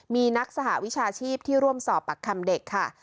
มีนักสหวิชาชีพที่ร่วมสอบปากคำเด็กค่ะ